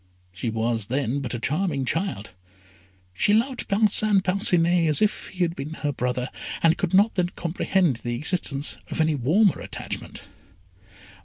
She was then but a charming child. She loved Parcin Parcinet as if he had been her brother, and could not then comprehend the existence of any warmer attachment.